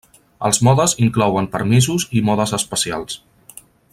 Els modes inclouen permisos i modes especials.